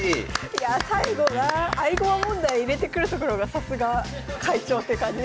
いやあ最後な合駒問題入れてくるところがさすが会長って感じですね。